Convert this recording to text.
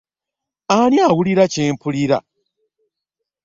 Ani awulira kye mpulira?